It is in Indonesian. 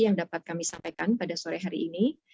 yang dapat kami sampaikan pada sore hari ini